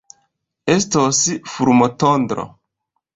Estos fulmotondro.